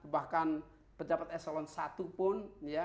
bahkan pejabat eselon satu pun